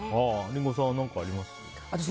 リンゴさんはあります？